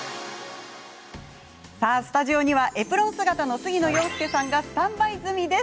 スタジオにはエプロン姿の杉野遥亮さんがスタンバイ済みです。